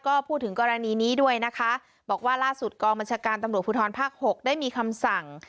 ก็พูดถึงกรณีนี้ด้วยนะคะบอกว่าล่าสุดกองบัญชาการตำรวจภูทรภาค๖ได้มีคำสั่ง